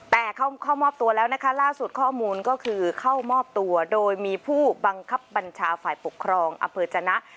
แต่เข้ามอบตัวแล้วนะคะล่าสุดข้อมูลก็คือเข้ามอบตัวโดยมีผู้บังคับบัญชาฝ่ายปกครองอำเภอจนะ